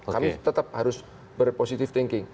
kami tetap harus berpositif thinking